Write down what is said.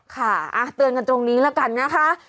ค่ะเตือนกันตรงนี้แล้วกันนะคะ